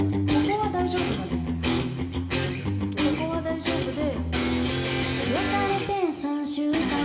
ここは大丈夫で。